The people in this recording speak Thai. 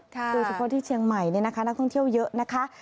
โดยเฉพาะที่เชียงใหม่นักท่องเที่ยวเยอะนะคะ